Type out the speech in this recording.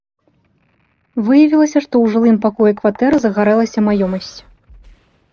Выявілася, што ў жылым пакоі кватэры загарэлася маёмасць.